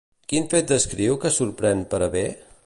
Quin fet descriu que sorprèn per a bé?